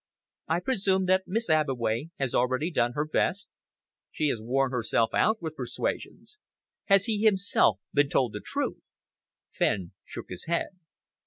"I presume that Miss Abbeway has already done her best?" "She has worn herself out with persuasions." "Has he himself been told the truth?" Fenn shook his head.